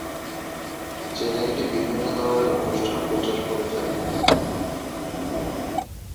চ্যানেলটি বিভিন্ন ধরনের অনুষ্ঠান প্রচার করে থাকে।